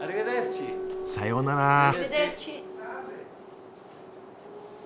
さようなら。